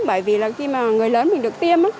bởi vì là khi mà người lớn mình được tiêm